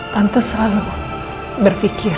tante selalu berpikir